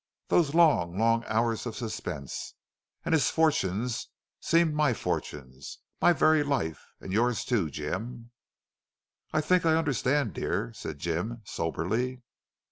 Those long, long hours of suspense.... And his fortunes seemed my fortunes my very life and yours, too, Jim." "I think I understand, dear," said Jim, soberly.